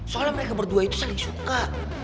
soalnya mereka berdua itu saling suka